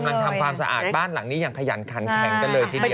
ทำความสะอาดบ้านหลังนี้อย่างขยันขันแข็งกันเลยทีเดียว